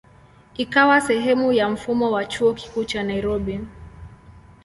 Ikawa sehemu ya mfumo wa Chuo Kikuu cha Nairobi.